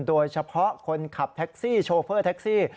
โดยเฉพาะคนขับแท็กซี่โชเฟอร์แท็กซี่